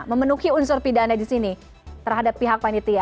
memenuhi unsur pidana di sini terhadap pihak panitia